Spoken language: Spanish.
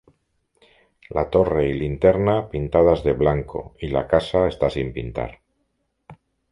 La torre y linterna pintadas de blanco, y la casa está sin pintar.